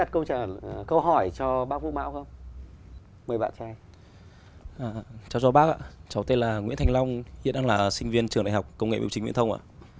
chào chào bác ạ cháu tên là nguyễn thành long hiện đang là sinh viên trường đại học công nghệ biểu chính nguyễn thông ạ